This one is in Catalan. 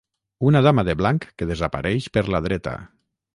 Una dama de blanc que desapareix per la dreta.